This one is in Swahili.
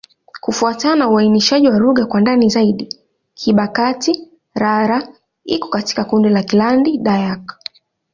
Kufuatana na uainishaji wa lugha kwa ndani zaidi, Kibakati'-Rara iko katika kundi la Kiland-Dayak.